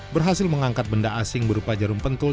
berhasil mengangkat benda asing berupa jarum pentul